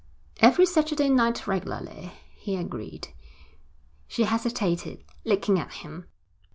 'Every Saturday night regularly,' he agreed. She hesitated, looking at him.